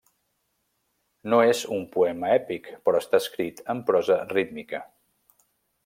No és un poema èpic, però està escrit en prosa rítmica.